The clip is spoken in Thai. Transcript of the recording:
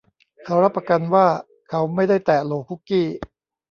เขารับประกันว่าเขาไม่ได้แตะโหลคุกกี้